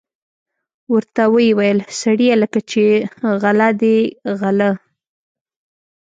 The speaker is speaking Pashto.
ورته ویې ویل: سړیه لکه چې غله دي غله.